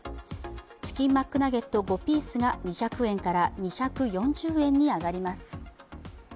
チキンマックナゲット５ピースが２００円から２４０円に上がります。